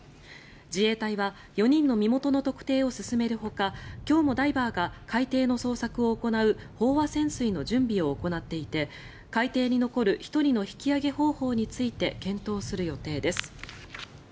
自衛隊は４人の身元の特定を進めるほか今日もダイバーが海底の捜索を行う飽和潜水の準備を行っていて海底に残る１人の引き揚げ方法について検討する予定です。